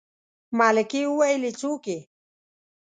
ملکې وويلې څوک يې.